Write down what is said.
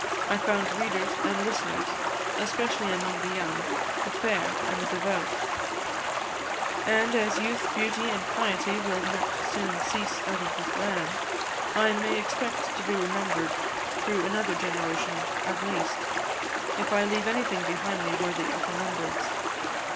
I found readers and listeners, especially among the young, the fair, and the devout; and as youth, beauty, and piety will not soon cease out of the land, I may expect to be remembered through another generation at least, if I leave anything behind me worthy of remembrance.